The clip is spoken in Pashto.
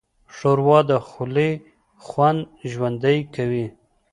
ښوروا د خولې خوند ژوندی کوي.